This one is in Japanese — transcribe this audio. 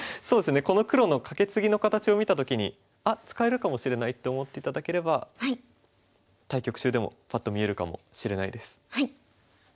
そうですねこの黒のカケツギの形を見た時に「あっ使えるかもしれない」と思って頂ければ対局中でもパッと見えるかもしれないです。